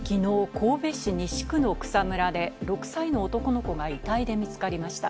神戸市西区の草むらで６歳の男の子が遺体で見つかりました。